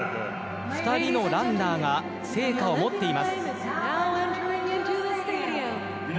２人のランナーが聖火を持っています。